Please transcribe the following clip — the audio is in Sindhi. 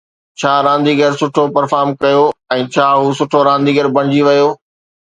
ڇا رانديگر سٺو پرفارم ڪيو ۽ ڇا هو سٺو رانديگر بڻجي ويو